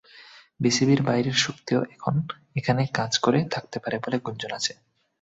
বিসিবির বাইরের শক্তিও এখানে কাজ করে থাকতে পারে বলে গুঞ্জন আছে।